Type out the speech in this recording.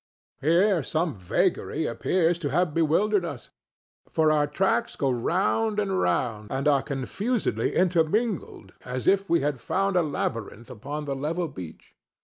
Here some vagary appears to have bewildered us, for our tracks go round and round and are confusedly intermingled, as if we had found a labyrinth upon the level beach.